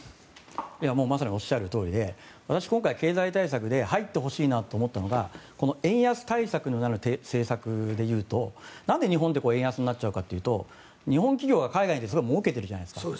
まさにおっしゃるとおりで私、今回、経済対策で入ってほしいなと思ったのがこの円安対策の政策で言うとなんで日本って円安になっちゃうかというと日本企業が海外ですごくもうけているじゃないですか。